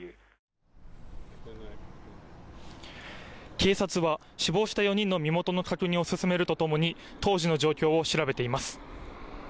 警察は、死亡した４人の身元の確認を進めるとともに、当時の状況を調べています。